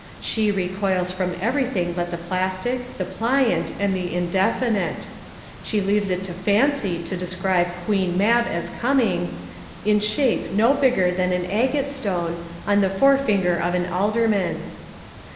She recoils from everything but the plastic, the pliant, and the indefinite. She leaves it to Fancy to describe Queen Mab as coming, In shape no bigger than an agate stone On the fore finger of an alderman.